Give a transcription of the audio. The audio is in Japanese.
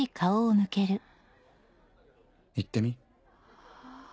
言ってみ？